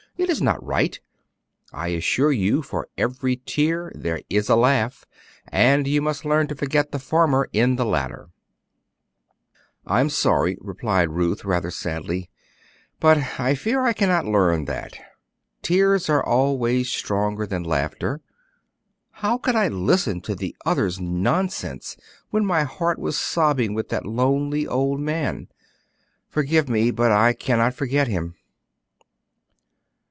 It is not right. I assure you for every tear there is a laugh, and you must learn to forget the former in the latter." "I am sorry," replied Ruth, quite sadly; "but I fear I cannot learn that, tears are always stronger than laughter. How could I listen to the others' nonsense when my heart was sobbing with that lonely old man? Forgive me, but I cannot forget him."